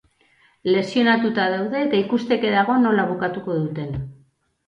Lesionatuta daude eta ikusteke dago nola bukatuko duten.